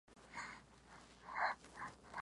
Existen varios parques y santuarios marinos protegidos.